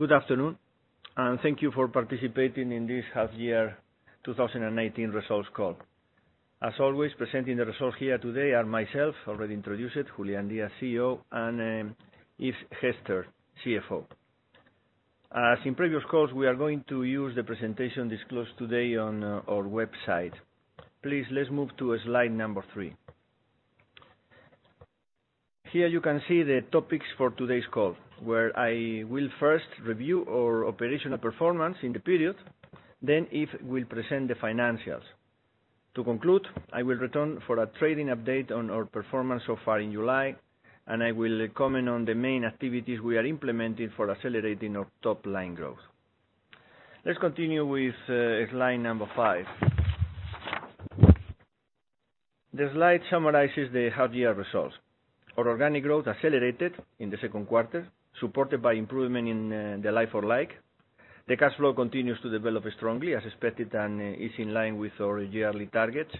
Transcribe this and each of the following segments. Good afternoon, and thank you for participating in this half-year 2019 results call. As always, presenting the results here today are myself, already introduced, Julián Díaz, CEO, and Yves Gerster, CFO. As in previous calls, we are going to use the presentation disclosed today on our website. Please, let's move to slide number three. Here you can see the topics for today's call, where I will first review our operational performance in the period, then Yves will present the financials. To conclude, I will return for a trading update on our performance so far in July, and I will comment on the main activities we are implementing for accelerating our top-line growth. Let's continue with slide number five. The slide summarizes the half-year results. Our organic growth accelerated in the second quarter, supported by improvement in the like-for-like. The cash flow continues to develop strongly, as expected, and is in line with our yearly targets.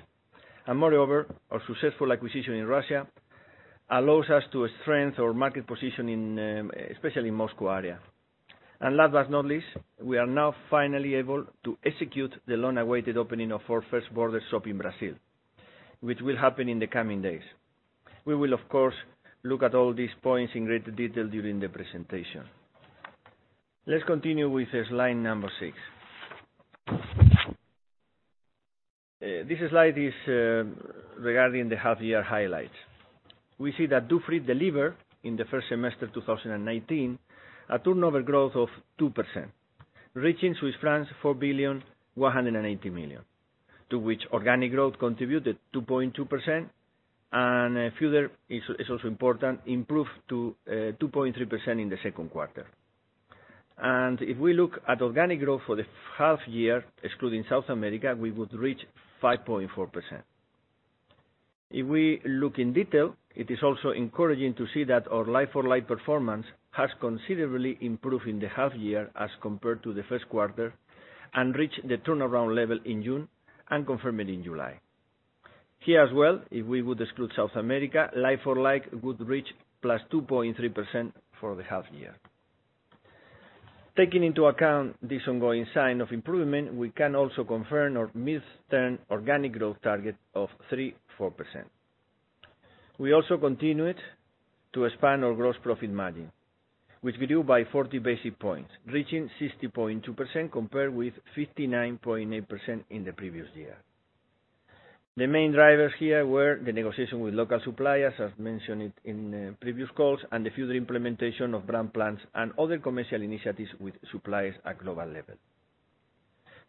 Our successful acquisition in Russia allows us to strengthen our market position especially in Moscow area. Last but not least, we are now finally able to execute the long-awaited opening of our first border shop in Brazil, which will happen in the coming days. We will, of course, look at all these points in great detail during the presentation. Let's continue with slide number six. This slide is regarding the half-year highlights. We see that Dufry delivered in the first semester 2019 a turnover growth of 2%, reaching 4.18 billion, to which organic growth contributed 2.2%, and further, it's also important, improved to 2.3% in the second quarter. If we look at organic growth for the half-year, excluding South America, we would reach 5.4%. If we look in detail, it is also encouraging to see that our like-for-like performance has considerably improved in the half-year as compared to the first quarter and reached the turnaround level in June and confirmed in July. Here as well, if we would exclude South America, like-for-like would reach +2.3% for the half-year. Taking into account this ongoing sign of improvement, we can also confirm our mid-term organic growth target of 3%-4%. We also continued to expand our gross profit margin, which we do by 40 basis points, reaching 60.2% compared with 59.8% in the previous year. The main drivers here were the negotiation with local suppliers, as mentioned in previous calls, and the further implementation of brand plans and other commercial initiatives with suppliers at global level.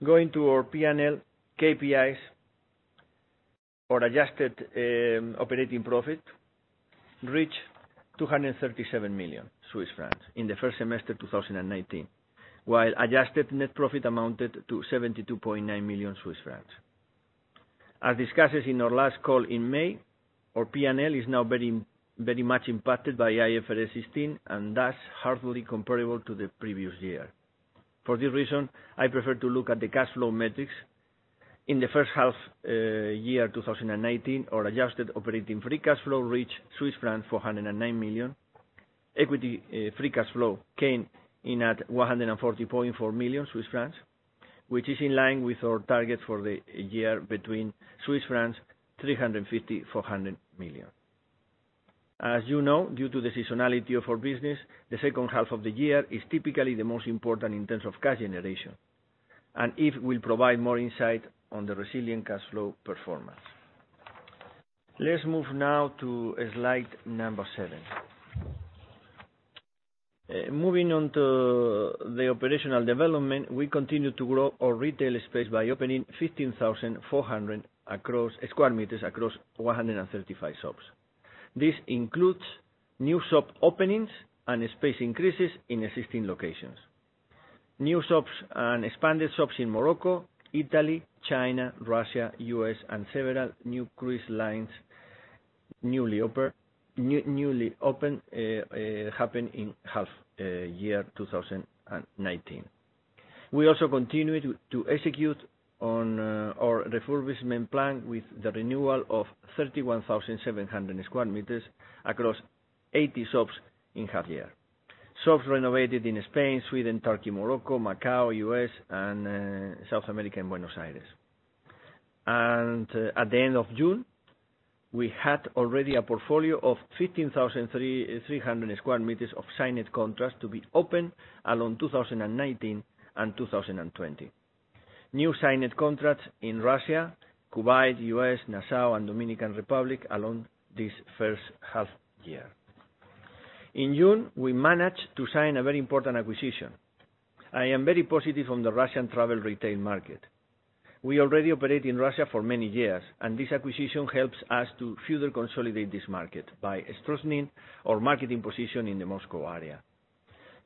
Going to our P&L KPIs. Our adjusted operating profit reached 237 million Swiss francs in the first semester 2019, while adjusted net profit amounted to 72.9 million Swiss francs. As discussed in our last call in May, our P&L is now very much impacted by IFRS 16, and thus hardly comparable to the previous year. For this reason, I prefer to look at the cash flow metrics. In the first half year 2019, our adjusted operating free cash flow reached Swiss franc 409 million. Equity free cash flow came in at 140.4 million Swiss francs, which is in line with our target for the year between 350 million-400 million Swiss francs. As you know, due to the seasonality of our business, the second half of the year is typically the most important in terms of cash generation, and Yves will provide more insight on the resilient cash flow performance. Let's move now to slide number seven. Moving on to the operational development, we continue to grow our retail space by opening 15,400 sq m across 135 shops. This includes new shop openings and space increases in existing locations. New shops and expanded shops in Morocco, Italy, China, Russia, U.S., and several new cruise lines newly opened happened in half year 2019. We also continued to execute on our refurbishment plan with the renewal of 31,700 sq m across 80 shops in half year. Shops renovated in Spain, Sweden, Turkey, Morocco, Macau, U.S., and South America in Buenos Aires. At the end of June, we had already a portfolio of 15,300 sq m of signed contracts to be opened along 2019 and 2020. New signed contracts in Russia, Kuwait, U.S., Nassau, and Dominican Republic along this first half year. In June, we managed to sign a very important acquisition. I am very positive on the Russian travel retail market. We already operate in Russia for many years, and this acquisition helps us to further consolidate this market by strengthening our marketing position in the Moscow area.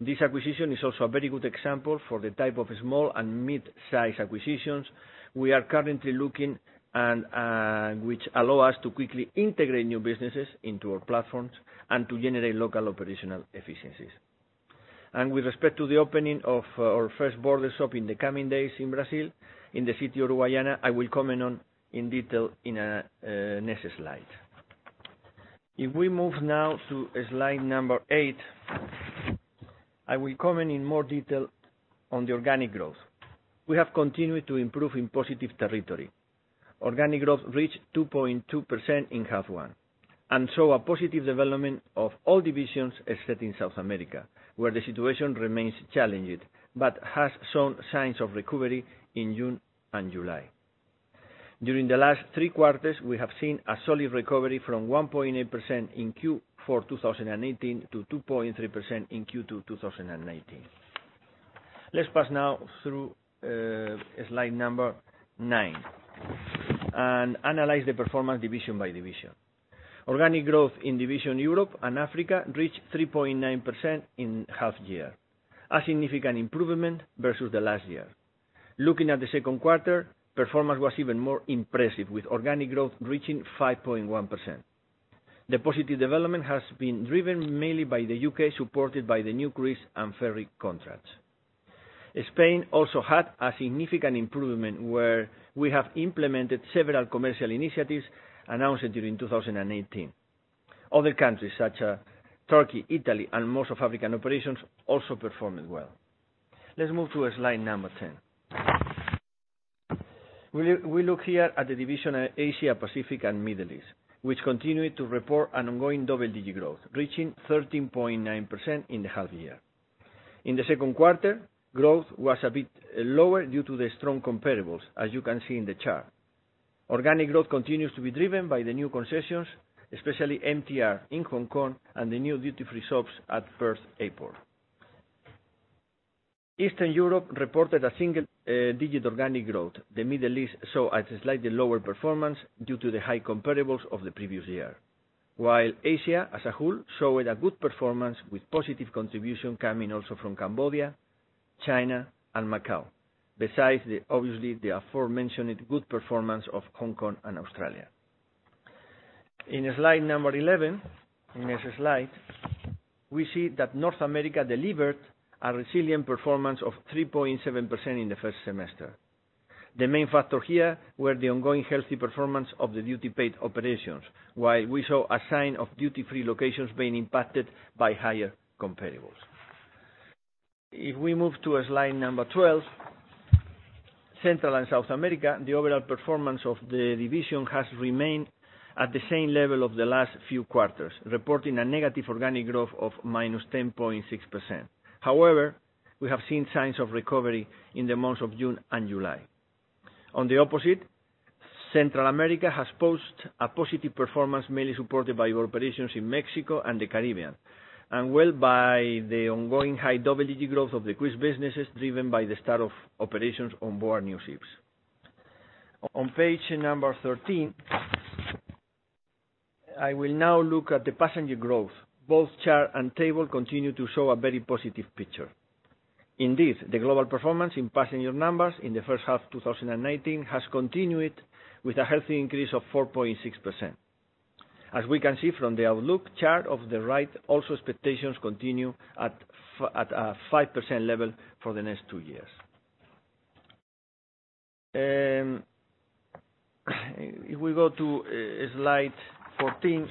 This acquisition is also a very good example for the type of small and mid-size acquisitions we are currently looking and which allow us to quickly integrate new businesses into our platforms and to generate local operational efficiencies. With respect to the opening of our first border shop in the coming days in Brazil, in the city of Uruguaiana, I will comment on in detail in the next slide. If we move now to slide number eight, I will comment in more detail on the organic growth. We have continued to improve in positive territory. Organic growth reached 2.2% in half one, and saw a positive development of all divisions, except in South America, where the situation remains challenged, but has shown signs of recovery in June and July. During the last three quarters, we have seen a solid recovery from 1.8% in Q4 2018 to 2.3% in Q2 2019. Let's pass now through slide number nine and analyze the performance division by division. Organic growth in division Europe and Africa reached 3.9% in half year, a significant improvement versus the last year. Looking at the second quarter, performance was even more impressive with organic growth reaching 5.1%. The positive development has been driven mainly by the U.K., supported by the new cruise and ferry contracts. Spain also had a significant improvement where we have implemented several commercial initiatives announced during 2018. Other countries such as Turkey, Italy, and most of African operations also performed well. Let's move to slide number 10. We look here at the division Asia, Pacific, and Middle East, which continued to report an ongoing double-digit growth, reaching 13.9% in the half year. In the second quarter, growth was a bit lower due to the strong comparables, as you can see in the chart. Organic growth continues to be driven by the new concessions, especially MTR in Hong Kong and the new duty-free shops at Perth Airport. Eastern Europe reported a single-digit organic growth. The Middle East saw a slightly lower performance due to the high comparables of the previous year, while Asia as a whole showed a good performance with positive contribution coming also from Cambodia, China, and Macau. Besides, obviously, the aforementioned good performance of Hong Kong and Australia. In slide number 11, the next slide, we see that North America delivered a resilient performance of 3.7% in the first semester. The main factor here were the ongoing healthy performance of the duty-paid operations. While we saw a sign of duty-free locations being impacted by higher comparables. If we move to slide number 12, Central and South America, the overall performance of the division has remained at the same level of the last few quarters, reporting a negative organic growth of -10.6%. However, we have seen signs of recovery in the months of June and July. On the opposite, Central America has posted a positive performance, mainly supported by operations in Mexico and the Caribbean, and well by the ongoing high double-digit growth of the cruise businesses driven by the start of operations on board new ships. On page number 13, I will now look at the passenger growth. Both chart and table continue to show a very positive picture. Indeed, the global performance in passenger numbers in the first half 2019 has continued with a healthy increase of 4.6%. As we can see from the outlook chart of the right, also expectations continue at a 5% level for the next two years. If we go to slide 14.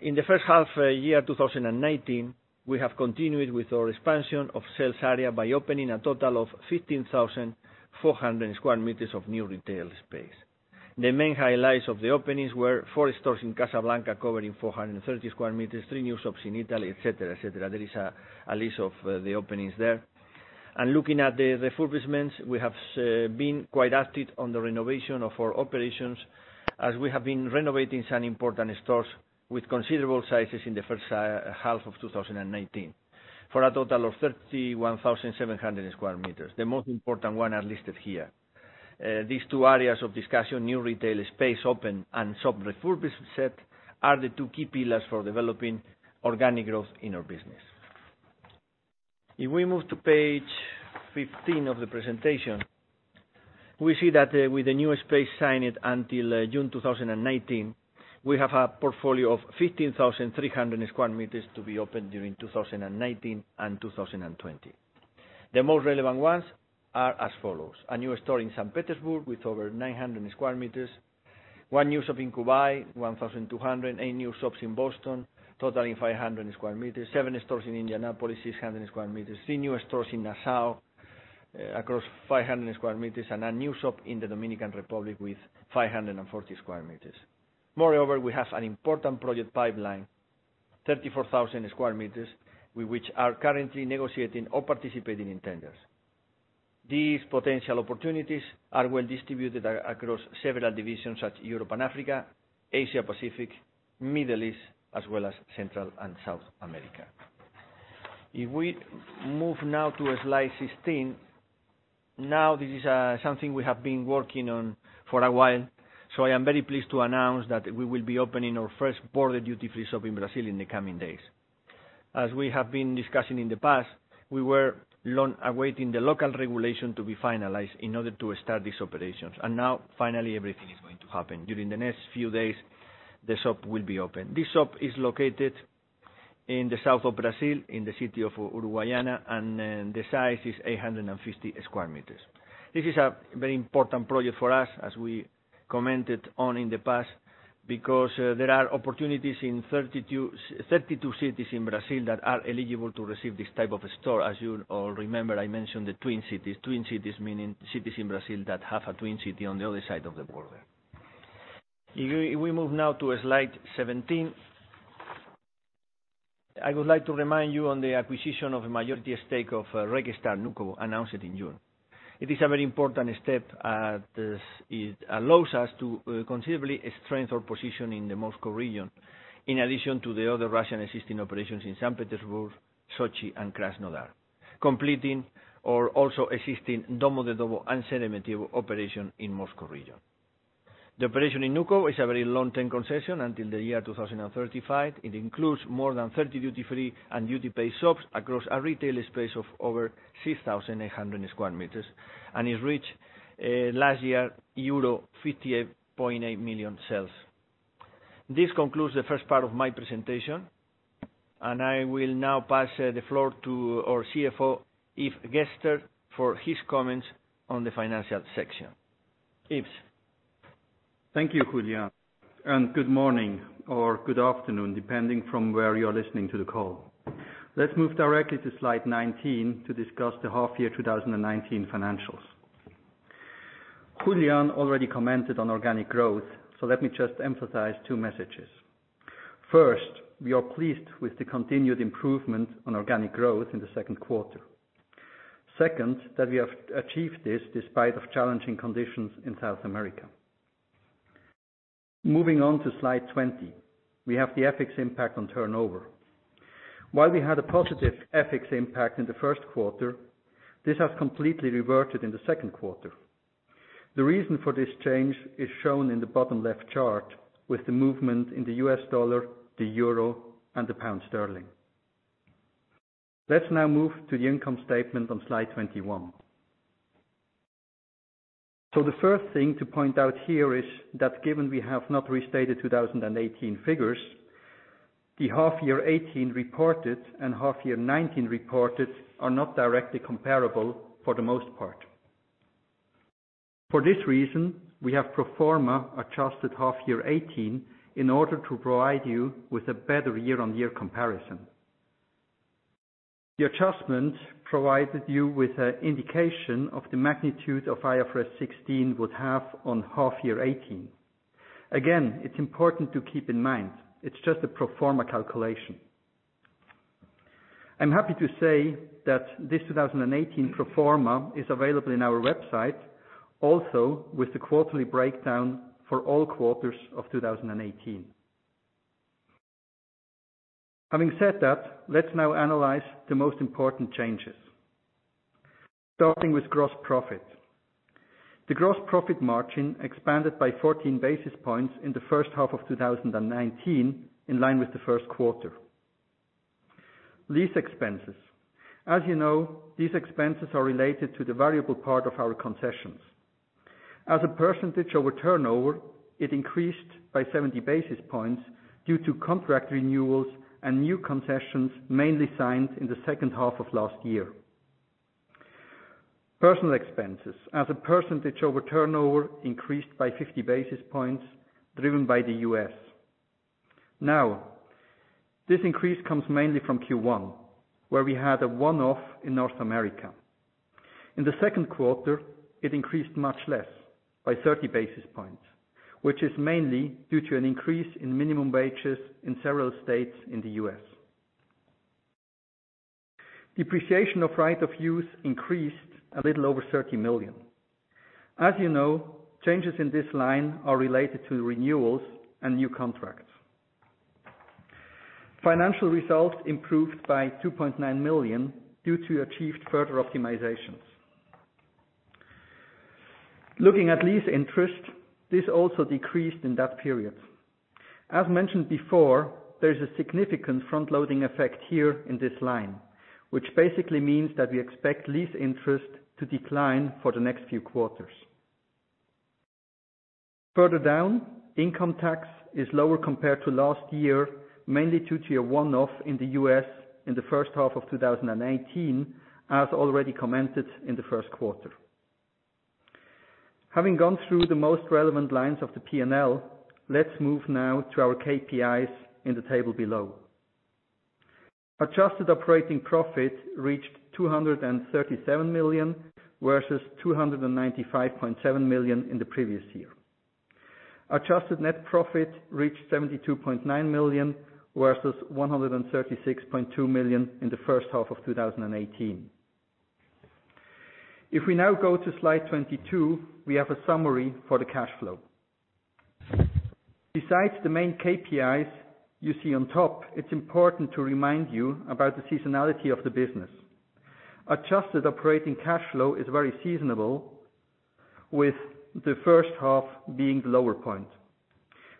In the first half year 2019, we have continued with our expansion of sales area by opening a total of 15,400 sq m of new retail space. The main highlights of the openings were four stores in Casablanca covering 430 sq m, three new shops in Italy, et cetera. There is a list of the openings there. Looking at the refurbishments, we have been quite active on the renovation of our operations as we have been renovating some important stores with considerable sizes in the first half of 2019, for a total of 31,700 sq m. The most important one are listed here. These two areas of discussion, new retail space open and shop refurbishment, are the two key pillars for developing organic growth in our business. If we move to page 15 of the presentation, we see that with the new space signed until June 2019, we have a portfolio of 15,300 sq m to be opened during 2019 and 2020. The most relevant ones are as follows. A new store in St. Petersburg with over 900 sq m, one new shop in Kuwait, 1,200 sq m, eight new shops in Boston totaling 500 sq m, seven stores in Indianapolis, 600 sq m, three new stores in Nassau across 500 sq m, and a new shop in the Dominican Republic with 540 sq m. Moreover, we have an important project pipeline, 34,000 sq m, which are currently negotiating or participating in tenders. These potential opportunities are well distributed across several divisions such Europe and Africa, Asia, Pacific, Middle East, as well as Central and South America. If we move now to slide 16. This is something we have been working on for a while, I am very pleased to announce that we will be opening our first border duty-free shop in Brazil in the coming days. As we have been discussing in the past, we were awaiting the local regulation to be finalized in order to start these operations. Now finally everything is going to happen. During the next few days, the shop will be open. This shop is located in the south of Brazil, in the city of Uruguaiana, and the size is 850 sq m. This is a very important project for us, as we commented on in the past, because there are opportunities in 32 cities in Brazil that are eligible to receive this type of a store. As you all remember, I mentioned the twin cities. Twin cities meaning cities in Brazil that have a twin city on the other side of the border. If we move now to slide 17, I would like to remind you on the acquisition of a majority stake of RegStaer Vnukovo, announced in June. It is a very important step as it allows us to considerably strengthen our position in the Moscow region, in addition to the other Russian existing operations in St. Petersburg, Sochi, and Krasnodar, completing our also existing Domodedovo and Sheremetyevo operation in Moscow region. The operation in Vnukovo is a very long-term concession until the year 2035. It includes more than 30 duty-free and duty-paid shops across a retail space of over 6,800 sq m, and it reached, last year, euro 58.8 million sales. This concludes the first part of my presentation. I will now pass the floor to our CFO, Yves Gerster, for his comments on the financial section. Yves. Thank you, Julián. Good morning or good afternoon, depending from where you're listening to the call. Let's move directly to slide 19 to discuss the half-year 2019 financials. Julián already commented on organic growth, let me just emphasize two messages. First, we are pleased with the continued improvement on organic growth in the second quarter. Second, that we have achieved this despite of challenging conditions in South America. Moving on to slide 20, we have the FX impact on turnover. While we had a positive FX impact in the first quarter, this has completely reverted in the second quarter. The reason for this change is shown in the bottom left chart with the movement in the U.S. dollar, the euro, and the pound sterling. Let's now move to the income statement on slide 21. The first thing to point out here is that given we have not restated 2018 figures, the half-year 2018 reported and half-year 2019 reported are not directly comparable for the most part. For this reason, we have pro forma adjusted half-year 2018 in order to provide you with a better year-on-year comparison. The adjustment provided you with an indication of the magnitude of IFRS 16 would have on half-year 2018. Again, it is important to keep in mind, it is just a pro forma calculation. I am happy to say that this 2018 pro forma is available on our website, also with the quarterly breakdown for all quarters of 2018. Having said that, let us now analyze the most important changes. Starting with gross profit. The gross profit margin expanded by 14 basis points in the first half of 2019, in line with the first quarter. Lease expenses. As you know, these expenses are related to the variable part of our concessions. As a percentage over turnover, it increased by 70 basis points due to contract renewals and new concessions, mainly signed in the second half of last year. Personnel expenses as a percentage over turnover increased by 50 basis points driven by the U.S. This increase comes mainly from Q1, where we had a one-off in North America. In the second quarter, it increased much less, by 30 basis points, which is mainly due to an increase in minimum wages in several states in the U.S. Depreciation of right of use increased a little over 30 million. As you know, changes in this line are related to renewals and new contracts. Financial results improved by 2.9 million due to achieved further optimizations. Looking at lease interest, this also decreased in that period. As mentioned before, there is a significant front-loading effect here in this line, which basically means that we expect lease interest to decline for the next few quarters. Further down, income tax is lower compared to last year, mainly due to a one-off in the U.S. in the first half of 2018, as already commented in the first quarter. Having gone through the most relevant lines of the P&L, let's move now to our KPIs in the table below. Adjusted operating profit reached 237 million, versus 295.7 million in the previous year. Adjusted net profit reached 72.9 million, versus 136.2 million in the first half of 2018. If we now go to slide 22, we have a summary for the cash flow. Besides the main KPIs you see on top, it's important to remind you about the seasonality of the business. Adjusted operating cash flow is very seasonable. With the first half being the lower point.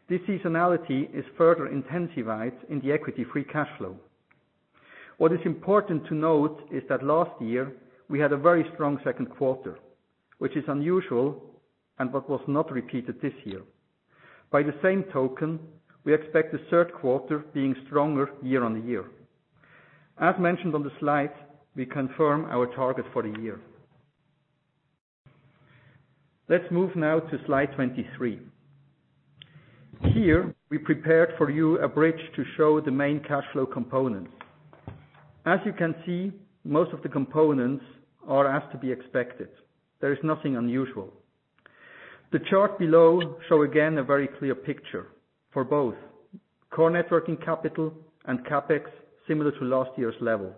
This seasonality is further intensified in the equity free cash flow. What is important to note is that last year we had a very strong second quarter, which is unusual and what was not repeated this year. By the same token, we expect the third quarter being stronger year-on-year. As mentioned on the slide, we confirm our target for the year. Let's move now to slide 23. Here, we prepared for you a bridge to show the main cash flow components. As you can see, most of the components are as to be expected. There is nothing unusual. The chart below show again a very clear picture for both core net working capital and CapEx similar to last year's level.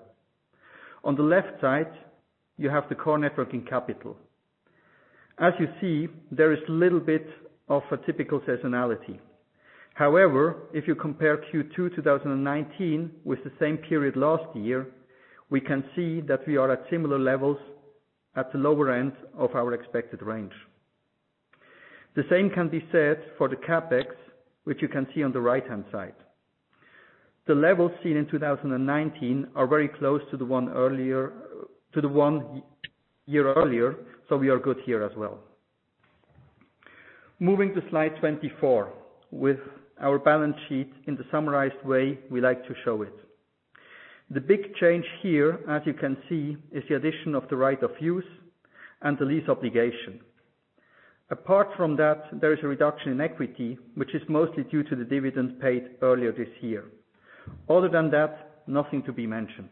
On the left side, you have the core net working capital. As you see, there is little bit of a typical seasonality. However, if you compare Q2 2019 with the same period last year, we can see that we are at similar levels at the lower end of our expected range. The same can be said for the CapEx, which you can see on the right-hand side. The levels seen in 2019 are very close to the one year earlier, so we are good here as well. Moving to slide 24 with our balance sheet in the summarized way we like to show it. The big change here, as you can see, is the addition of the right of use and the lease obligation. Apart from that, there is a reduction in equity, which is mostly due to the dividends paid earlier this year. Other than that, nothing to be mentioned.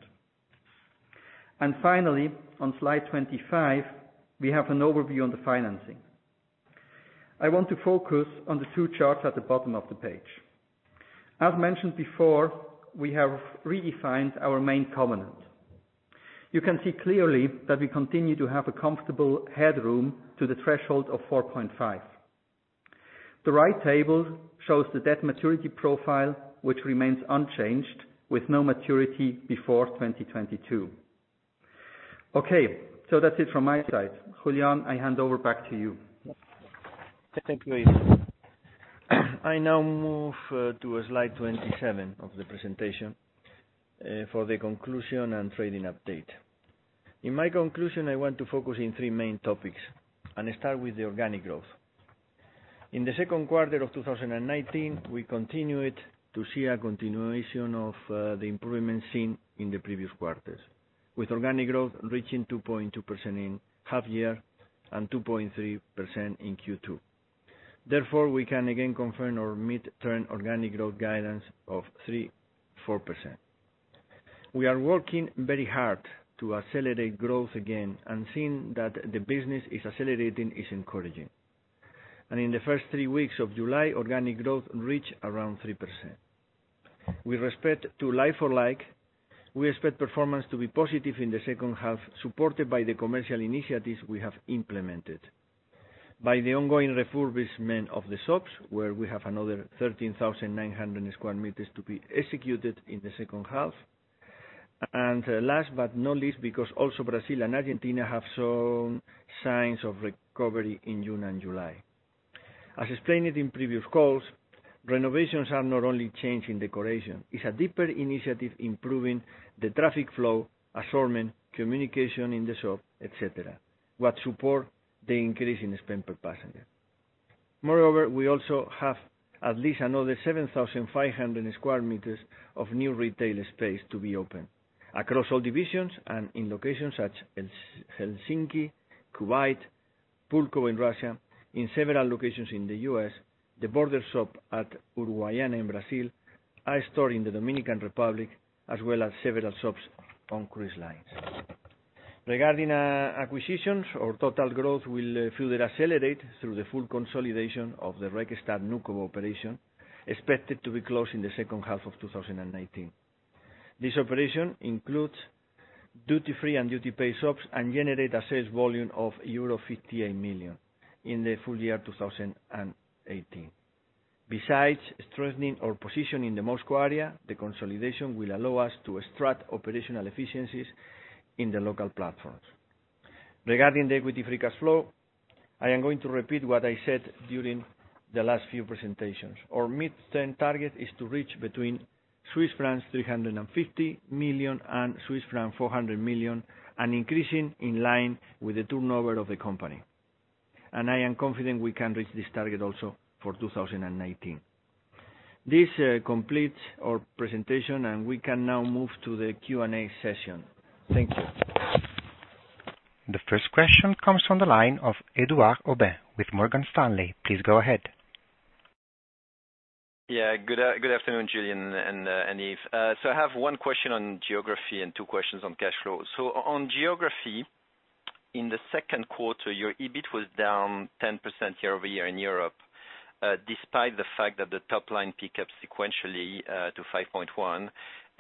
Finally, on slide 25, we have an overview on the financing. I want to focus on the two charts at the bottom of the page. As mentioned before, we have redefined our main covenant. You can see clearly that we continue to have a comfortable headroom to the threshold of 4.5. The right table shows the debt maturity profile, which remains unchanged with no maturity before 2022. Okay, that's it from my side. Julián, I hand over back to you. Thank you, Yves. I now move to slide 27 of the presentation, for the conclusion and trading update. In my conclusion, I want to focus in three main topics and start with the organic growth. In the second quarter of 2019, we continued to see a continuation of the improvement seen in the previous quarters, with organic growth reaching 2.2% in half year and 2.3% in Q2. We can again confirm our mid-term organic growth guidance of 3%-4%. We are working very hard to accelerate growth again, seeing that the business is accelerating is encouraging. In the first three weeks of July, organic growth reached around 3%. With respect to like-for-like, we expect performance to be positive in the second half, supported by the commercial initiatives we have implemented. By the ongoing refurbishment of the shops, where we have another 13,900 sq m to be executed in the second half. Last but not least, because also Brazil and Argentina have shown signs of recovery in June and July. As explained in previous calls, renovations are not only change in decoration, it's a deeper initiative improving the traffic flow, assortment, communication in the shop, et cetera, what support the increase in spend per passenger. We also have at least another 7,500 sq m of new retail space to be open across all divisions and in locations such as Helsinki, Kuwait, Pulkovo in Russia, in several locations in the U.S., the border shop at Uruguaiana in Brazil, our store in the Dominican Republic, as well as several shops on cruise lines. Regarding acquisitions or total growth will further accelerate through the full consolidation of the RegStaer Vnukovo operation, expected to be closed in the second half of 2019. This operation includes duty-free and duty-paid shops and generate a sales volume of euro 58 million in the full year 2018. Besides strengthening our position in the Moscow area, the consolidation will allow us to extract operational efficiencies in the local platforms. Regarding the equity free cash flow, I am going to repeat what I said during the last few presentations. Our mid-term target is to reach between Swiss francs 350 million and Swiss francs 400 million, and increasing in line with the turnover of the company. I am confident we can reach this target also for 2019. This completes our presentation, and we can now move to the Q&A session. Thank you. The first question comes from the line of Edouard Aubin with Morgan Stanley. Please go ahead. Good afternoon, Julián and Yves. I have one question on geography and two questions on cash flow. On geography, in the second quarter, your EBIT was down 10% year-over-year in Europe, despite the fact that the top line pick up sequentially, to 5.1.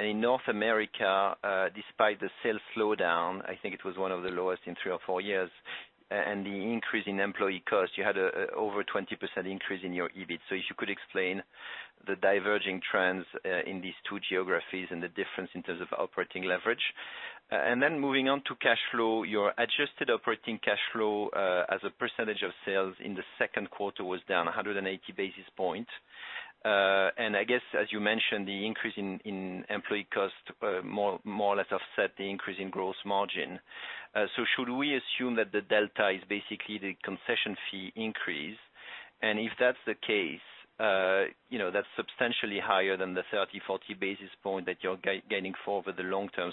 In North America, despite the sales slowdown, I think it was one of the lowest in three or four years, and the increase in employee costs, you had over 20% increase in your EBIT. If you could explain the diverging trends in these two geographies and the difference in terms of operating leverage. Then moving on to cash flow. Your adjusted operating cash flow as a percentage of sales in the second quarter was down 180 basis points. I guess as you mentioned, the increase in employee cost more or less offset the increase in gross margin. Should we assume that the delta is basically the concession fee increase? If that's the case, that's substantially higher than the 30, 40 basis point that you're guiding for over the long-term.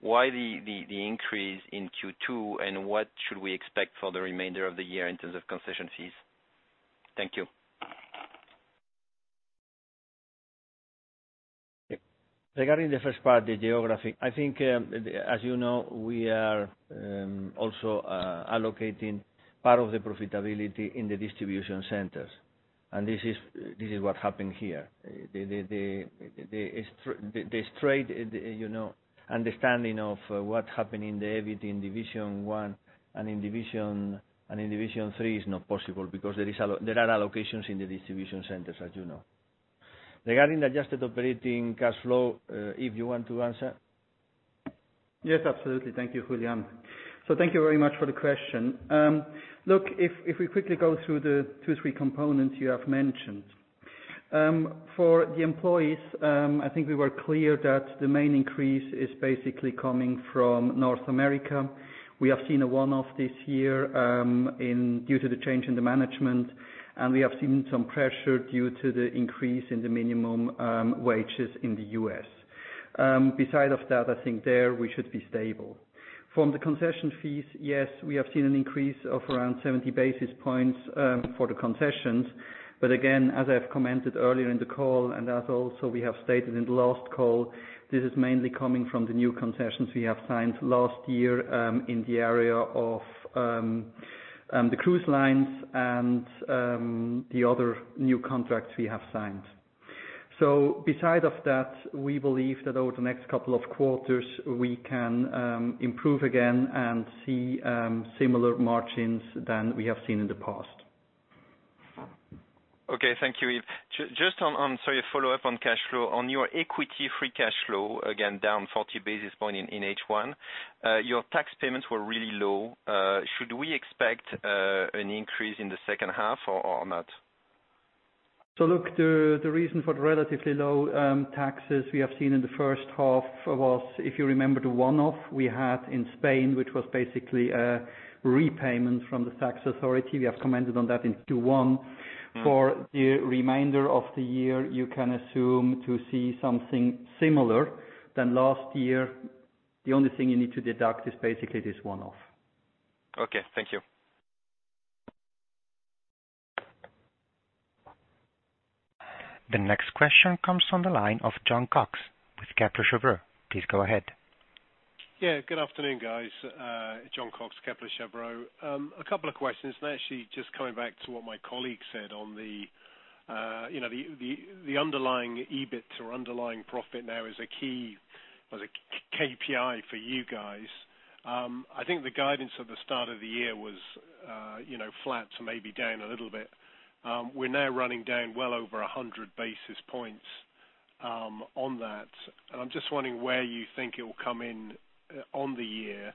Why the increase in Q2, and what should we expect for the remainder of the year in terms of concession fees? Thank you. Regarding the first part, the geography, I think, as you know, we are also allocating part of the profitability in the distribution centers. This is what happened here. The straight understanding of what happened in the EBIT in division one and in division three is not possible because there are allocations in the distribution centers, as you know. Regarding the adjusted operating cash flow, Yves, you want to answer? Yes, absolutely. Thank you, Julián. Thank you very much for the question. Look, if we quickly go through the two, three components you have mentioned. For the employees, I think we were clear that the main increase is basically coming from North America. We have seen a one-off this year due to the change in the management, and we have seen some pressure due to the increase in the minimum wages in the U.S. Beside of that, I think there we should be stable. From the concession fees, yes, we have seen an increase of around 70 basis points for the concessions. Again, as I've commented earlier in the call, and as also we have stated in the last call, this is mainly coming from the new concessions we have signed last year in the area of the cruise lines and the other new contracts we have signed. Besides that, we believe that over the next couple of quarters, we can improve again and see similar margins than we have seen in the past. Okay. Thank you, Yves. Just a follow-up on cash flow. On your equity free cash flow, again, down 40 basis points in H1. Your tax payments were really low. Should we expect an increase in the second half or not? Look, the reason for the relatively low taxes we have seen in the first half was, if you remember, the one-off we had in Spain, which was basically a repayment from the tax authority. We have commented on that in Q1. For the remainder of the year, you can assume to see something similar than last year. The only thing you need to deduct is basically this one-off. Okay. Thank you. The next question comes from the line of Jon Cox with Kepler Cheuvreux. Please go ahead. Yeah. Good afternoon, guys. Jon Cox, Kepler Cheuvreux. A couple of questions. Actually just coming back to what my colleague said on the underlying EBIT or underlying profit now is a key or is a KPI for you guys. I think the guidance at the start of the year was flat to maybe down a little bit. We're now running down well over 100 basis points on that. I'm just wondering where you think it will come in on the year.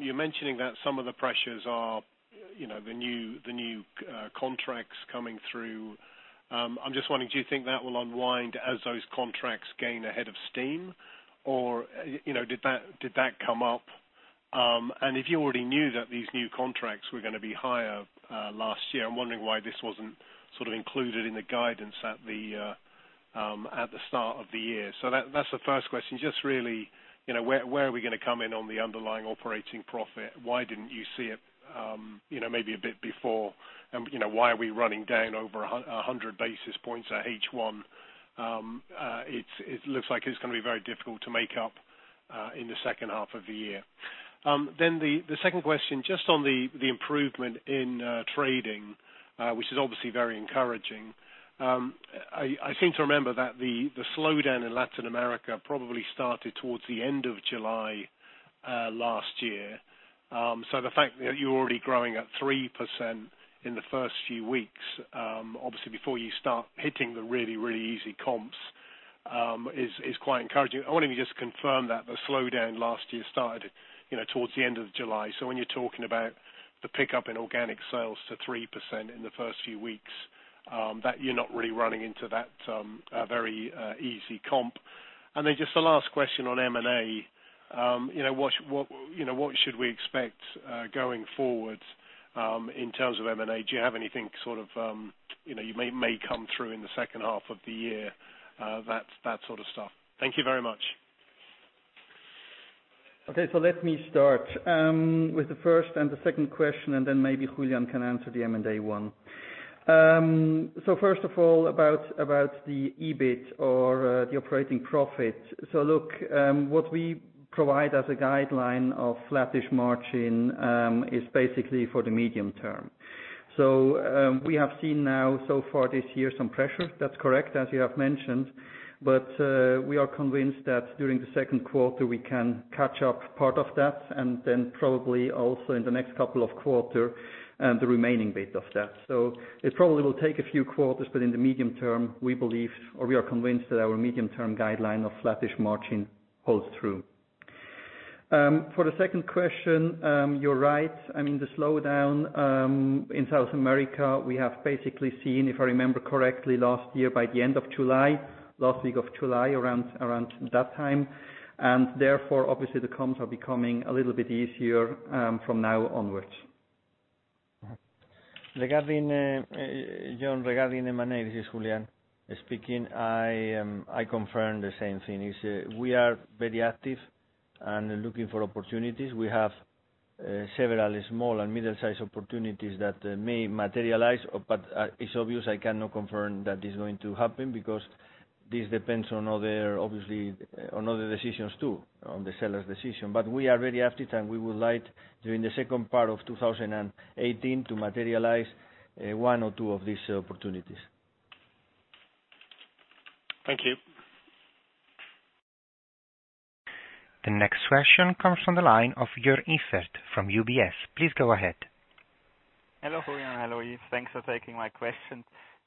You're mentioning that some of the pressures are the new contracts coming through. I'm just wondering, do you think that will unwind as those contracts gain a head of steam, or did that come up? If you already knew that these new contracts were going to be higher last year, I'm wondering why this wasn't sort of included in the guidance at the start of the year. That's the first question. Just really, where are we going to come in on the underlying operating profit? Why didn't you see it maybe a bit before and why are we running down over 100 basis points at H1? It looks like it's going to be very difficult to make up in the second half of the year. The second question, just on the improvement in trading, which is obviously very encouraging. I seem to remember that the slowdown in Latin America probably started towards the end of July last year. The fact that you're already growing at 3% in the first few weeks, obviously before you start hitting the really, really easy comps, is quite encouraging. I wonder if you just confirm that the slowdown last year started towards the end of July. When you're talking about the pickup in organic sales to 3% in the first few weeks, that you're not really running into that very easy comp. Just the last question on M&A. What should we expect going forward in terms of M&A? Do you have anything sort of may come through in the second half of the year? That sort of stuff. Thank you very much. Let me start with the first and the second question, and then maybe Julián can answer the M&A one. First of all, about the EBIT or the operating profit. Look, what we provide as a guideline of flattish margin is basically for the medium term. We have seen now so far this year some pressure. That's correct, as you have mentioned. But we are convinced that during the second quarter we can catch up part of that and then probably also in the next couple of quarter the remaining bit of that. It probably will take a few quarters, but in the medium term, we believe, or we are convinced that our medium-term guideline of flattish margin holds true. For the second question, you're right. The slowdown in South America, we have basically seen, if I remember correctly, last year by the end of July, last week of July, around that time. Therefore, obviously the comps are becoming a little bit easier from now onwards. Regarding, Jon, regarding M&A, this is Julián speaking. I confirm the same thing. We are very active and looking for opportunities. We have several small and middle-sized opportunities that may materialize, but it's obvious I cannot confirm that it's going to happen, because this depends on other decisions, too, on the seller's decision. We are very active, and we would like, during the second part of 2018, to materialize one or two of these opportunities. Thank you. The next question comes from the line of Joern Iffert from UBS. Please go ahead. Hello, Julián. Hello, Yves. Thanks for taking my questions.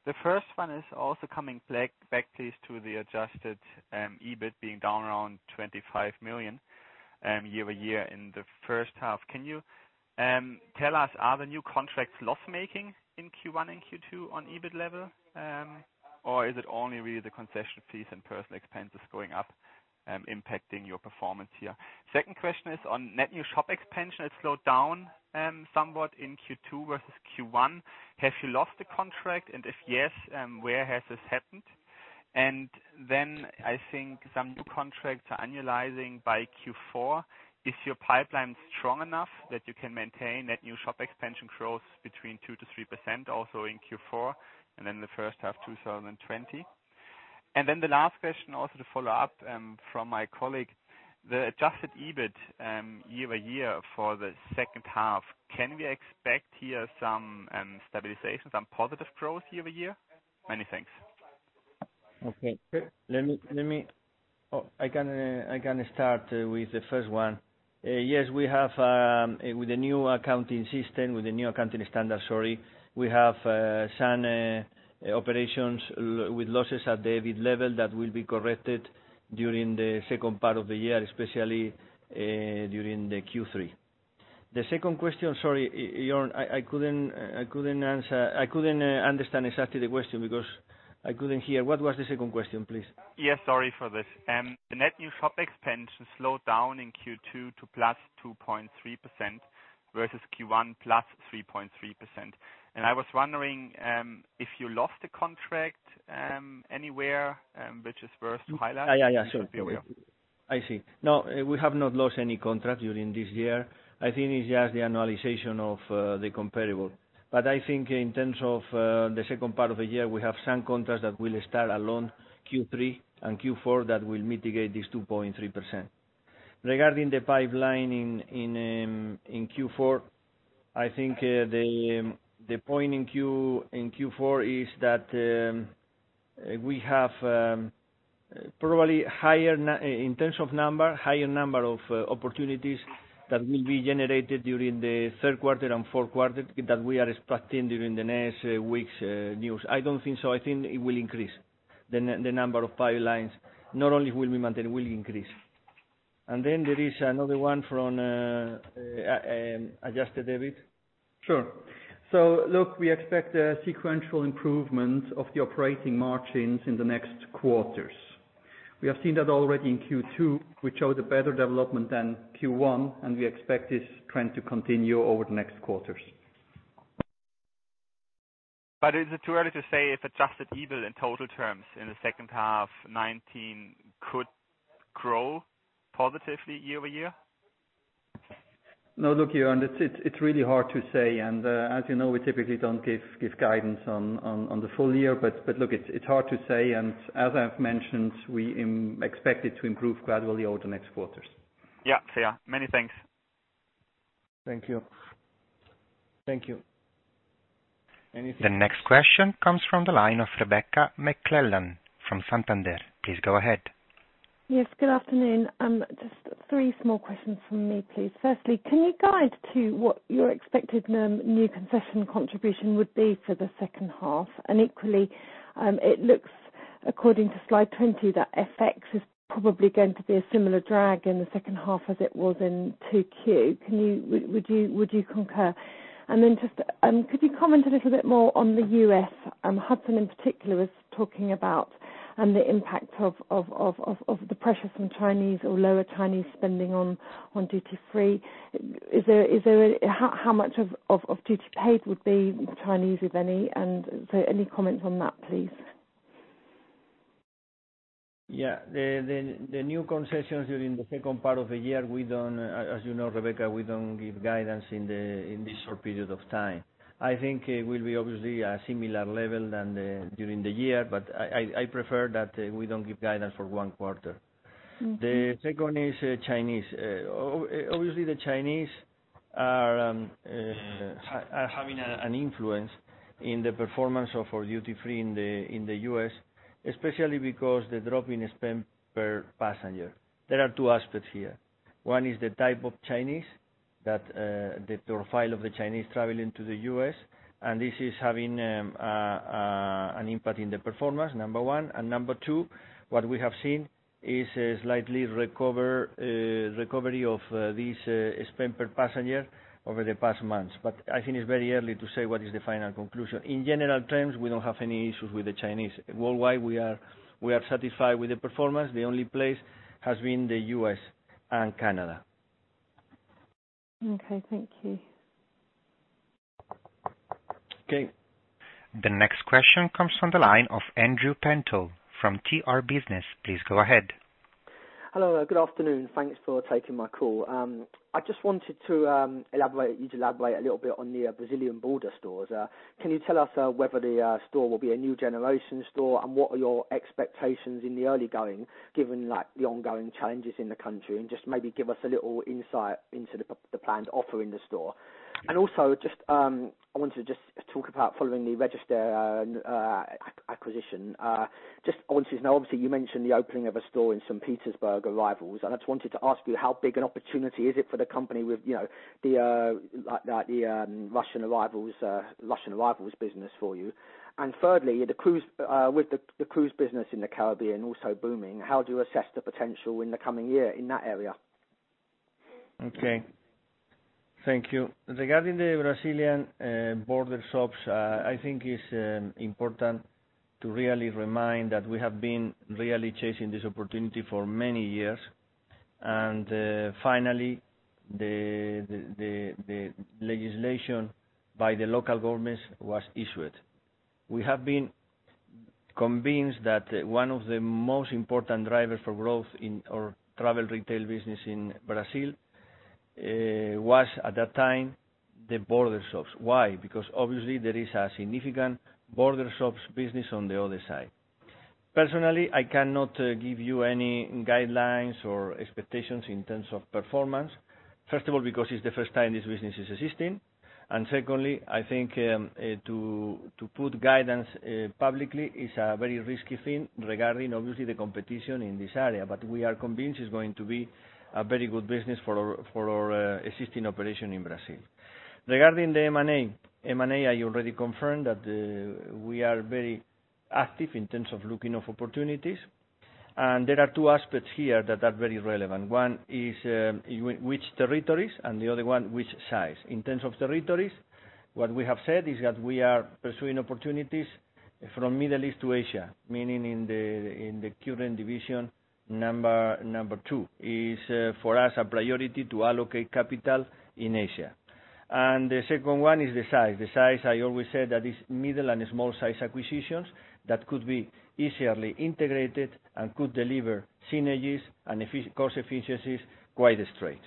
The first one is also coming back, please, to the adjusted EBIT being down around 25 million year-over-year in the first half. Can you tell us, are the new contracts loss-making in Q1 and Q2 on EBIT level? Is it only really the concession fees and personal expenses going up, impacting your performance here? Second question is on net new shop expansion. It slowed down somewhat in Q2 versus Q1. Have you lost a contract, and if yes, where has this happened? I think some new contracts are annualizing by Q4. Is your pipeline strong enough that you can maintain that new shop expansion growth between 2%-3%, also in Q4, the first half 2020? The last question also to follow-up from my colleague. The adjusted EBIT year-over-year for the second half, can we expect here some stabilization, some positive growth year-over-year? Many thanks. Okay. I can start with the first one. Yes, with the new accounting system, with the new accounting standard, sorry, we have some operations with losses at the EBIT level that will be corrected during the second part of the year, especially during the Q3. The second question, sorry, Joern, I couldn't understand exactly the question because I couldn't hear. What was the second question, please? Yeah, sorry for this. The net new shop expansion slowed down in Q2 to +2.3% versus Q1 +3.3%. I was wondering if you lost a contract anywhere, which is worth to highlight? Yeah. Sure. I see. No, we have not lost any contract during this year. I think it's just the annualization of the comparable. I think in terms of the second part of the year, we have some contracts that will start alone Q3 and Q4 that will mitigate this 2.3%. Regarding the pipeline in Q4, I think the point in Q4 is that we have probably, in terms of number, higher number of opportunities that will be generated during the third quarter and fourth quarter that we are expecting during the next weeks' news. I don't think so. I think it will increase, the number of pipelines. Not only will we maintain, will increase. There is another one from adjusted EBIT. Sure. Look, we expect a sequential improvement of the operating margins in the next quarters. We have seen that already in Q2, which showed a better development than Q1. We expect this trend to continue over the next quarters. Is it too early to say if adjusted EBIT in total terms in the second half 2019 could grow positively year-over-year? No, look, Joern, it's really hard to say. As you know, we typically don't give guidance on the full year, but look, it's hard to say, and as I've mentioned, we expect it to improve gradually over the next quarters. Yeah. Fair. Many thanks. Thank you. Anything else? The next question comes from the line of Rebecca McClellan from Santander. Please go ahead. Yes, good afternoon. Just three small questions from me, please. Firstly, can you guide to what your expected new concession contribution would be for the second half? Equally, it looks, according to slide 20, that FX is probably going to be a similar drag in the second half as it was in 2Q. Would you concur? Then just, could you comment a little bit more on the U.S.? Hudson in particular was talking about the impact of the pressure from Chinese or lower Chinese spending on duty-free. How much of duty-paid would be Chinese, if any? So any comments on that, please? Yeah. The new concessions during the second part of the year, as you know, Rebecca, we don't give guidance in this short period of time. I think it will be obviously a similar level than during the year, but I prefer that we don't give guidance for one quarter. The second is Chinese. Obviously, the Chinese are having an influence in the performance of our duty-free in the U.S., especially because the drop in spend per passenger. There are two aspects here. One is the type of Chinese the profile of the Chinese traveling to the U.S., and this is having an impact in the performance, number one. number two, what we have seen is a slight recovery of this spend per passenger over the past months. I think it's very early to say what is the final conclusion. In general terms, we don't have any issues with the Chinese. Worldwide, we are satisfied with the performance. The only place has been the U.S. and Canada. Okay, thank you. Okay. The next question comes from the line of Andrew Pentol from TRBusiness. Please go ahead. Hello, good afternoon. Thanks for taking my call. I just wanted you to elaborate a little bit on the Brazilian border stores. Can you tell us whether the store will be a new generation store? What are your expectations in the early going, given the ongoing challenges in the country? Just maybe give us a little insight into the planned offer in the store. Also, I want to just talk about following the RegStaer acquisition. Just obviously, you mentioned the opening of a store in St. Petersburg arrivals, and I just wanted to ask you how big an opportunity is it for the company with the Russian arrivals business for you? Thirdly, with the cruise business in the Caribbean also booming, how do you assess the potential in the coming year in that area? Okay. Thank you. Regarding the Brazilian border shops, I think it's important to really remind that we have been really chasing this opportunity for many years, and finally, the legislation by the local governments was issued. We have been convinced that one of the most important drivers for growth in our travel retail business in Brazil was, at that time, the border shops. Why? Because obviously there is a significant border shops business on the other side. Personally, I cannot give you any guidelines or expectations in terms of performance. First of all, because it's the first time this business is existing. Secondly, I think to put guidance publicly is a very risky thing regarding obviously the competition in this area. We are convinced it's going to be a very good business for our existing operation in Brazil. Regarding the M&A, I already confirmed that we are very active in terms of looking for opportunities. There are two aspects here that are very relevant. One is which territories, and the other one, which size. In terms of territories, what we have said is that we are pursuing opportunities from Middle East to Asia, meaning in the current division number two. It is for us a priority to allocate capital in Asia. The second one is the size. The size, I always said that it's middle and small size acquisitions that could be easily integrated and could deliver synergies and cost efficiencies quite straight.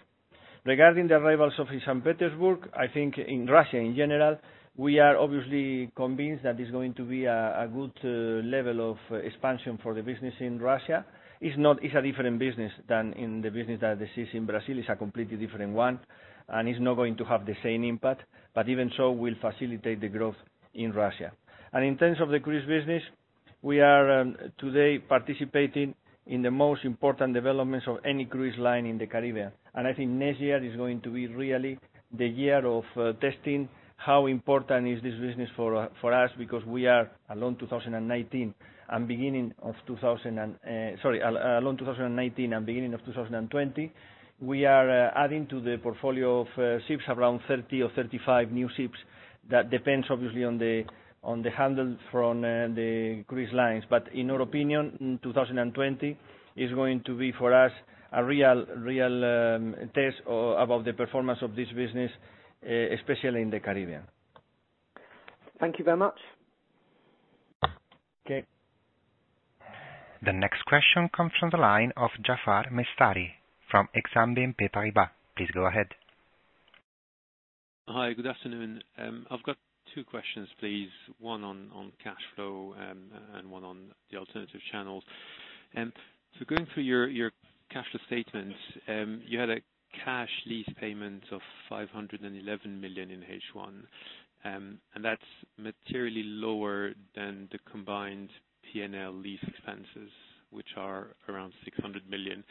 Regarding the arrivals of St. Petersburg, I think in Russia in general, we are obviously convinced that it's going to be a good level of expansion for the business in Russia. It's a different business than in the business that exists in Brazil. It's a completely different one, and it's not going to have the same impact. Even so, will facilitate the growth in Russia. In terms of the cruise business, we are today participating in the most important developments of any cruise line in the Caribbean. I think next year is going to be really the year of testing how important is this business for us because we are along 2019 and beginning of 2020. We are adding to the portfolio of ships around 30 or 35 new ships. That depends obviously on the handle from the cruise lines. In our opinion, in 2020 is going to be for us a real test about the performance of this business, especially in the Caribbean. Thank you very much. Okay. The next question comes from the line of Jaafar Mestari from Exane BNP Paribas. Please go ahead. Hi, good afternoon. I've got two questions, please. One on cash flow and one on the alternative channels. Going through your cash flow statement, you had a cash lease payment of 511 million in H1, and that's materially lower than the combined P&L lease expenses, which are around 600 million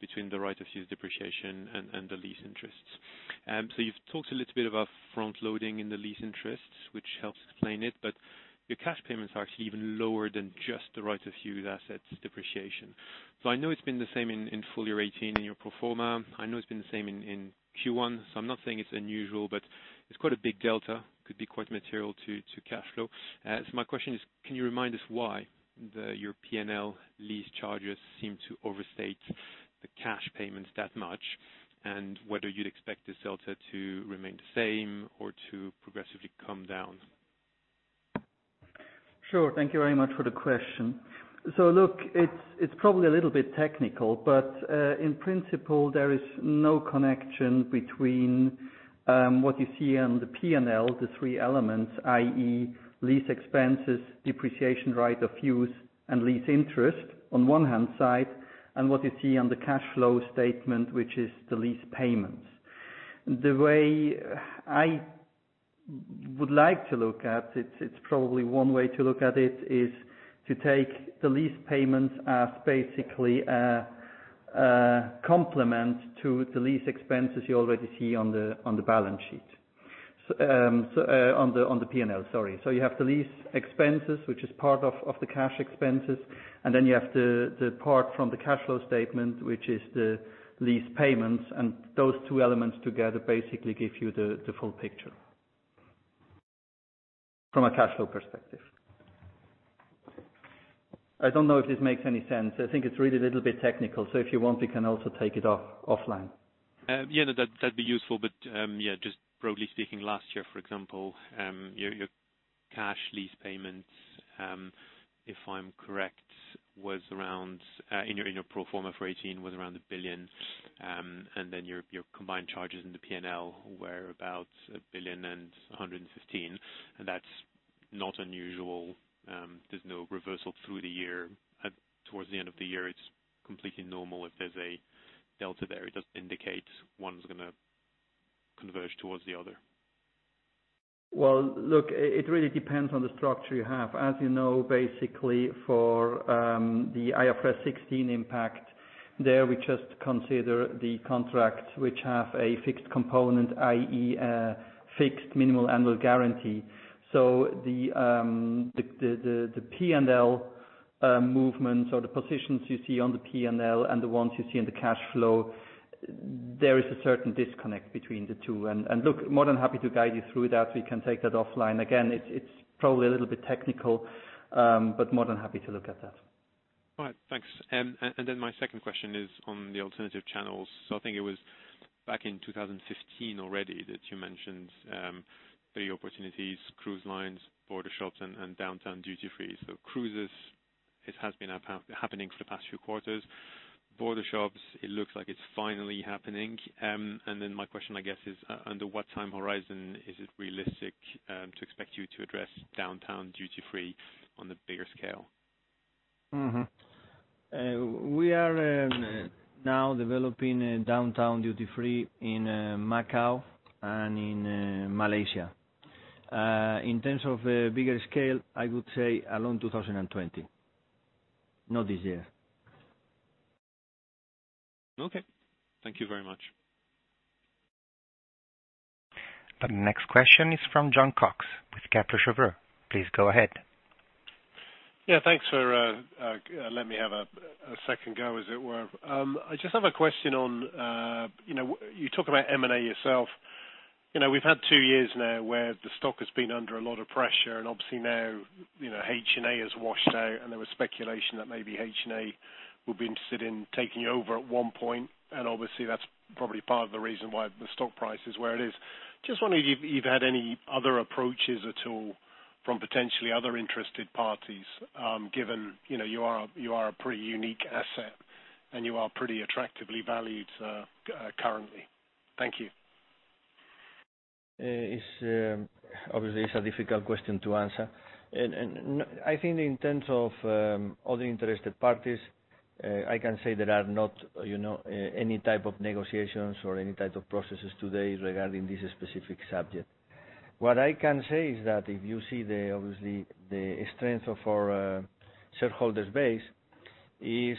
between the right of use depreciation and the lease interests. You've talked a little bit about front-loading in the lease interests, which helps explain it, but your cash payments are actually even lower than just the right of use assets depreciation. I know it's been the same in full-year 2018 in your pro forma. I know it's been the same in Q1, I'm not saying it's unusual, but it's quite a big delta, could be quite material to cash flow. My question is: Can you remind us why your P&L lease charges seem to overstate the cash payments that much, and whether you'd expect this delta to remain the same or to progressively come down? Sure. Thank you very much for the question. Look, it's probably a little bit technical, but in principle, there is no connection between what you see on the P&L, the three elements, i.e., lease expenses, depreciation, right-of-use, and lease interest on one hand side, and what you see on the cash flow statement, which is the lease payments. It's probably one way to look at it is to take the lease payments as basically a complement to the lease expenses you already see on the balance sheet. On the P&L, sorry. You have the lease expenses, which is part of the cash expenses, and then you have the part from the cash flow statement, which is the lease payments, and those two elements together basically give you the full picture from a cash flow perspective. I don't know if this makes any sense. I think it's really a little bit technical, so if you want, we can also take it offline. Yeah, that'd be useful. Just broadly speaking, last year, for example, your cash lease payments, if I'm correct, in your pro forma for 2018, was around 1 billion. Your combined charges in the P&L were about 1 billion and 115, and that's not unusual. There's no reversal through the year. Towards the end of the year, it's completely normal if there's a delta there. It doesn't indicate one's going to converge towards the other. Well, look, it really depends on the structure you have. As you know, basically for the IFRS 16 impact there, we just consider the contracts which have a fixed component, i.e., fixed minimum annual guarantee. The P&L movements or the positions you see on the P&L and the ones you see in the cash flow, there is a certain disconnect between the two. Look, more than happy to guide you through that. We can take that offline. Again, it's probably a little bit technical, but more than happy to look at that. All right. Thanks. My second question is on the alternative channels. I think it was back in 2015 already that you mentioned the opportunities, cruise lines, border shops, and downtown duty-free. Cruises, it has been happening for the past few quarters. Border shops, it looks like it's finally happening. My question, I guess, is under what time horizon is it realistic to expect you to address downtown duty-free on the bigger scale? We are now developing downtown duty-free in Macau and in Malaysia. In terms of the bigger scale, I would say along 2020, not this year. Okay. Thank you very much. The next question is from Jon Cox with Kepler Cheuvreux. Please go ahead. Yeah. Thanks for letting me have a second go, as it were. I just have a question on, you talk about M&A yourself. We've had two years now where the stock has been under a lot of pressure, and obviously now HNA has washed out, and there was speculation that maybe HNA would be interested in taking over at one point, and obviously that's probably part of the reason why the stock price is where it is. Just wondering if you've had any other approaches at all from potentially other interested parties, given you are a pretty unique asset, and you are pretty attractively valued currently. Thank you. Obviously, it's a difficult question to answer. I think in terms of other interested parties, I can say there are not any type of negotiations or any type of processes today regarding this specific subject. What I can say is that if you see obviously the strength of our shareholders' base is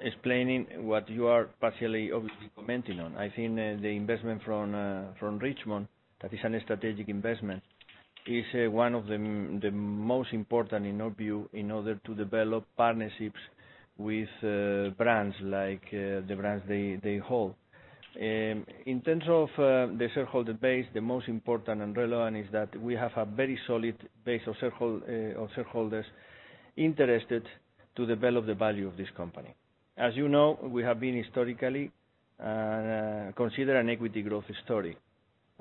explaining what you are partially obviously commenting on. I think the investment from Richemont, that is a strategic investment, is one of the most important in our view in order to develop partnerships with brands like the brands they hold. In terms of the shareholder base, the most important and relevant is that we have a very solid base of shareholders interested to develop the value of this company. As you know, we have been historically considered an equity growth story.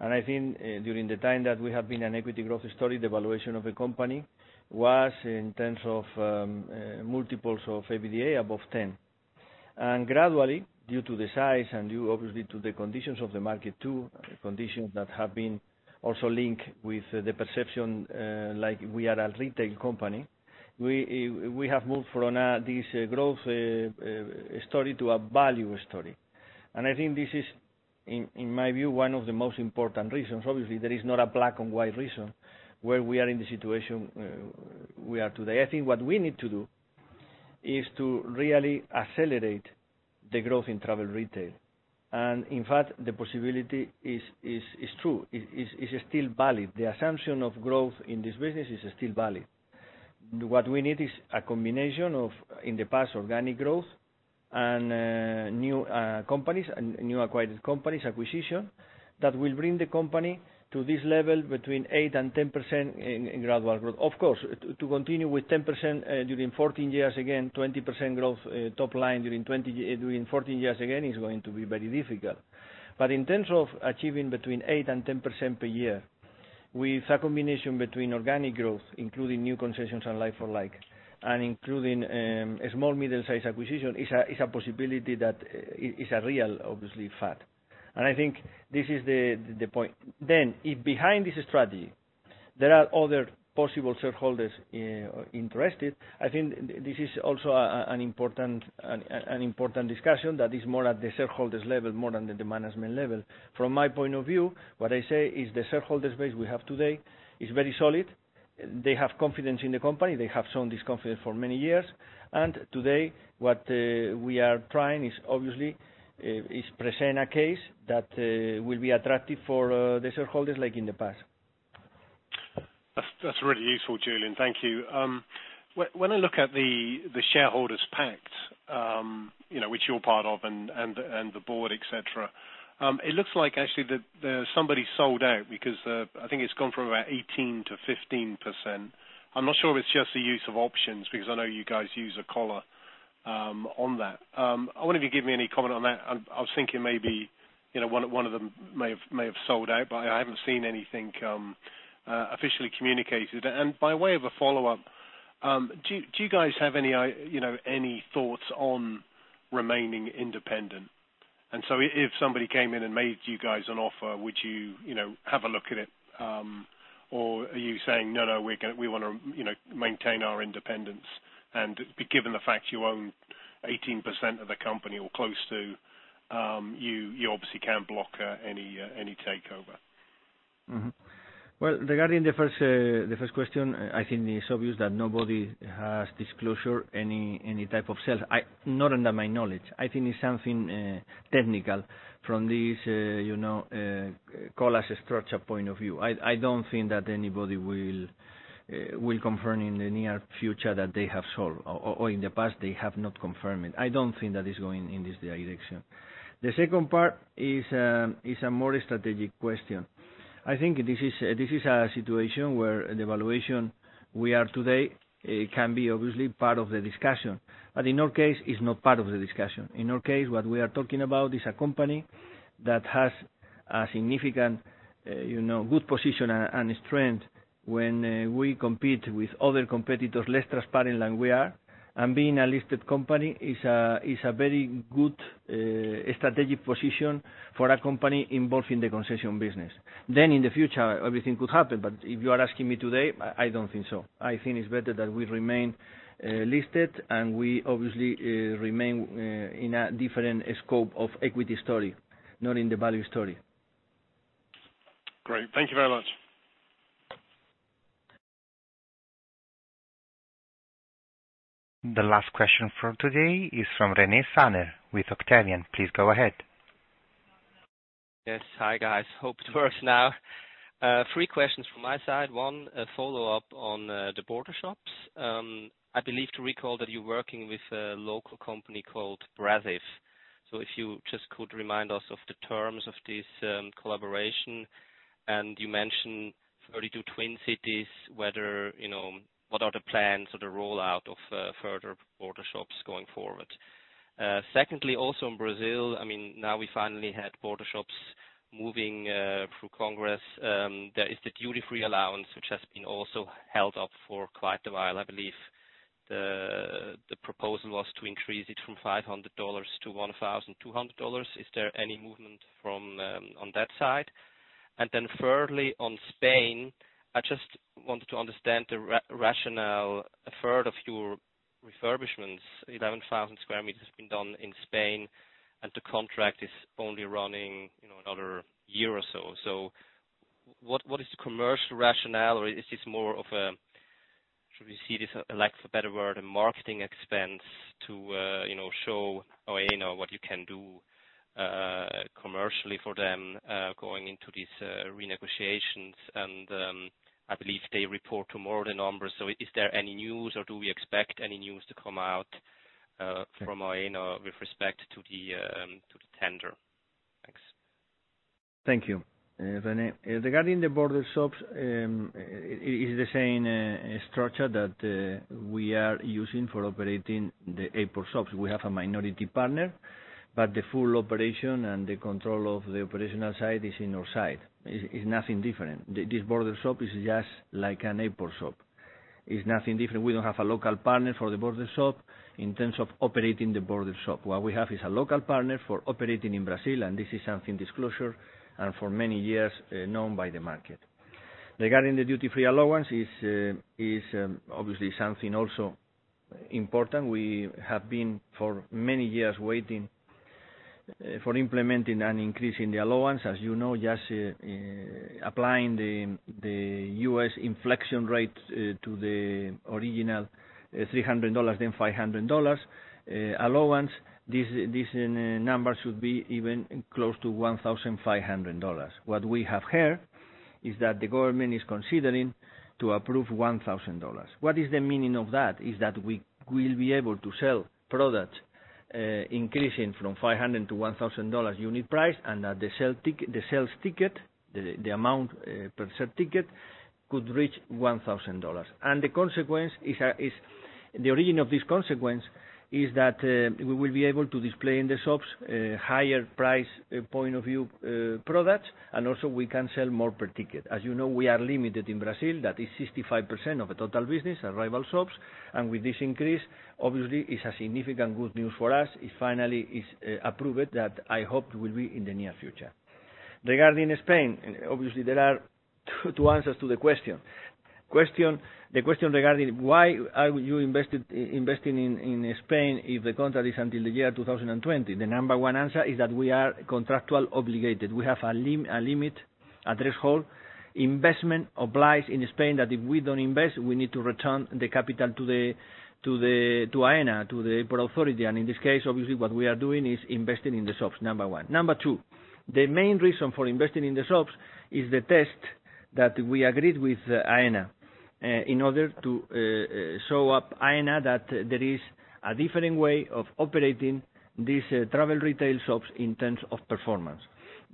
I think during the time that we have been an equity growth story, the valuation of the company was in terms of multiples of EBITDA above 10. Gradually, due to the size and due, obviously, to the conditions of the market too, conditions that have been also linked with the perception like we are a retail company, we have moved from this growth story to a value story. I think this is, in my view, one of the most important reasons. Obviously, there is not a black and white reason why we are in the situation we are today. I think what we need to do is to really accelerate the growth in travel retail. In fact, the possibility is true, is still valid. The assumption of growth in this business is still valid. What we need is a combination of, in the past, organic growth and new companies and new acquired companies, acquisition, that will bring the company to this level between 8% and 10% in gradual growth. Of course, to continue with 10% during 14 years, again, 20% growth top line during 14 years again, is going to be very difficult. In terms of achieving between 8% and 10% per year, with a combination between organic growth, including new concessions and like-for-like, and including a small middle-size acquisition, is a possibility that is a real, obviously, fact. I think this is the point. Behind this strategy, there are other possible shareholders interested. I think this is also an important discussion that is more at the shareholders level, more than at the management level. From my point of view, what I say is the shareholder base we have today is very solid. They have confidence in the company. They have shown this confidence for many years. Today, what we are trying is obviously, is present a case that will be attractive for the shareholders like in the past. That's really useful, Julián. Thank you. When I look at the shareholders' pact, which you're part of, and the board, et cetera, it looks like actually somebody sold out because I think it's gone from about 18%-15%. I'm not sure if it's just the use of options, because I know you guys use a collar on that. I wonder if you give me any comment on that. I was thinking maybe one of them may have sold out. I haven't seen anything officially communicated. By way of a follow-up, do you guys have any thoughts on remaining independent? If somebody came in and made you guys an offer, would you have a look at it? Are you saying, no, we want to maintain our independence, and given the fact you own 18% of the company or close to, you obviously can block any takeover. Well, regarding the first question, I think it's obvious that nobody has disclosed any type of sale. Not to my knowledge. I think it's something technical from this collar structure point of view. I don't think that anybody will confirm in the near future that they have sold or in the past, they have not confirmed it. I don't think that it's going in this direction. The second part is a more strategic question. I think this is a situation where the valuation we are today can be obviously part of the discussion. In our case, it's not part of the discussion. In our case, what we are talking about is a company that has a significant good position and strength when we compete with other competitors, less transparent than we are. Being a listed company is a very good strategic position for a company involved in the concession business. In the future, everything could happen. If you are asking me today, I don't think so. I think it's better that we remain listed, and we obviously remain in a different scope of equity story, not in the value story. Great. Thank you very much. The last question for today is from René Saner with Octavian. Please go ahead. Yes. Hi, guys. Hope it works now. Three questions from my side. One, a follow-up on the border shops. I believe to recall that you're working with a local company called Brasif. If you just could remind us of the terms of this collaboration, and you mentioned 32 twin cities, what are the plans or the rollout of further border shops going forward? Secondly, also in Brazil, now we finally had border shops moving through Congress. There is the duty-free allowance, which has been also held up for quite a while. I believe the proposal was to increase it from $500-$1,200. Is there any movement on that side? Thirdly, on Spain, I just wanted to understand the rationale. A third of your refurbishments, 11,000 sq m, has been done in Spain, and the contract is only running another year or so. What is the commercial rationale, or is this more of a, lack of a better word, a marketing expense to show Aena what you can do commercially for them going into these renegotiations? I believe they report tomorrow the numbers. Is there any news or do we expect any news to come out from Aena with respect to the tender? Thanks. Thank you, René. Regarding the border shops, it's the same structure that we are using for operating the airport shops. We have a minority partner, but the full operation and the control of the operational side is in our side. It's nothing different. This border shop is just like an airport shop. It's nothing different. We don't have a local partner for the border shop in terms of operating the border shop. What we have is a local partner for operating in Brazil, and this is something disclosure and for many years known by the market. Regarding the duty-free allowance is obviously something also important. We have been for many years waiting for implementing and increasing the allowance. As you know, just applying the U.S. inflation rate to the original $300, then $500 allowance, this number should be even close to $1,500. What we have heard is that the government is considering to approve $1,000. What is the meaning of that? Is that we will be able to sell products increasing from $500-$1,000 unit price, and that the sales ticket, the amount per ticket could reach $1,000. The origin of this consequence is that we will be able to display in the shops higher price point of view products, and also we can sell more per ticket. As you know, we are limited in Brazil, that is 65% of the total business, arrival shops. With this increase, obviously, it's a significant good news for us. It finally is approved that I hope will be in the near future. Regarding Spain, obviously, there are two answers to the question. The question regarding why are you investing in Spain if the contract is until the year 2020? The number one answer is that we are contractually obligated. We have a limit, a threshold investment obliged in Spain, that if we don't invest, we need to return the capital to Aena, to the port authority. In this case, obviously, what we are doing is investing in the shops, number one. Number two, the main reason for investing in the shops is the test that we agreed with Aena in order to show Aena that there is a different way of operating these travel retail shops in terms of performance.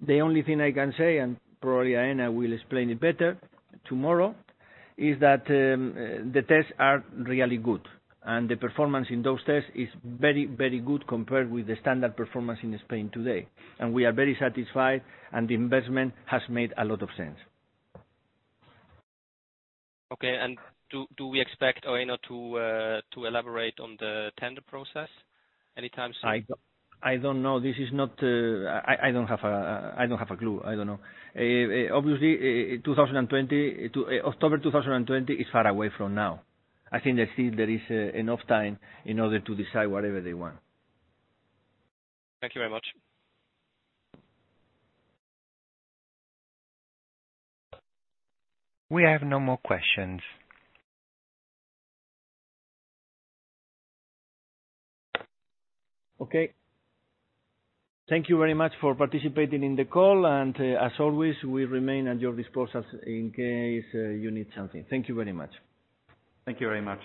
The only thing I can say, and probably Aena will explain it better tomorrow, is that the tests are really good, and the performance in those tests is very good compared with the standard performance in Spain today. We are very satisfied, and the investment has made a lot of sense. Okay. Do we expect Aena to elaborate on the tender process anytime soon? I don't know. I don't have a clue. I don't know. Obviously, October 2020 is far away from now. I think there is enough time in order to decide whatever they want. Thank you very much. We have no more questions. Okay. Thank you very much for participating in the call. As always, we remain at your disposal in case you need something. Thank you very much. Thank you very much.